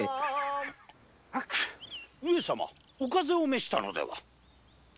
上様お風邪を召したのでは？